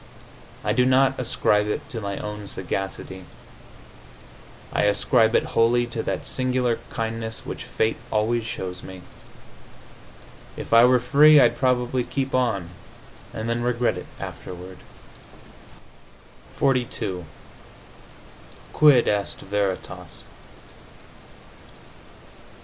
I do not ascribe it to my own sagacity; I ascribe it wholly to that singular kindness which fate always shows me. If I were free I'd probably keep on, and then regret it afterward. XLII QUID EST VERITAS?